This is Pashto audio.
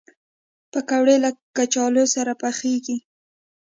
پکورې له کلچو سره پخېږي